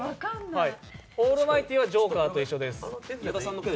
オールマイティーはジョーカーと一緒です。